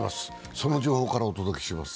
その情報からお届けします。